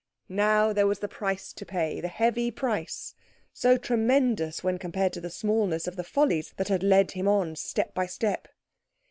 Now there was the price to pay, the heavy price, so tremendous when compared to the smallness of the follies that had led him on step by step.